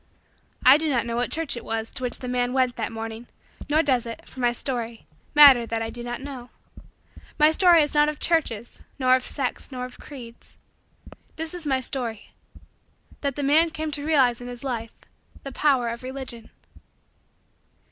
I do not know what church it was to which the man went that morning nor does it, for my story, matter that I do not know. My story is not of churches nor of sects nor of creeds. This is my story: that the man came to realize in his life the power of Religion.